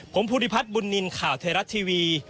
ผมพุทธิพัฒน์บุญนินข่าวเทราชทีวี